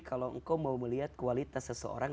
kalau engkau mau melihat kualitas seseorang